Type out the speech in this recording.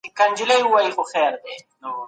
ایا ته په دي اړه کوم نظر لري؟